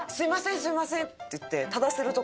すいませんって言って。